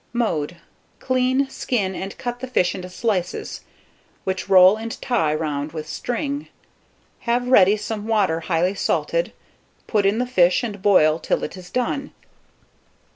Mode. Clean, skin, and cut the fish into slices, which roll and tie round with string. Have ready some water highly salted, put in the fish, and boil till it is done.